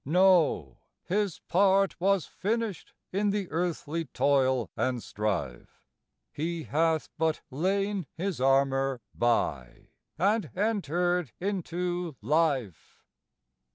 No; his part was finished In the earthly toil and strife; He hath but lain his armor by, And entered into life.